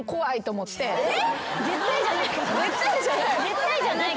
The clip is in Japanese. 絶対じゃないから。